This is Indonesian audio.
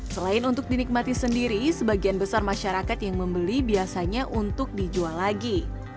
selain untuk dinikmati sendiri sebagian besar masyarakat yang membeli biasanya untuk dijual lagi